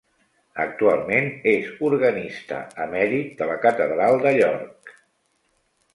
Actualment, és organista emèrit de la catedral de York.